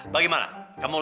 bagaimana kamu mau lagi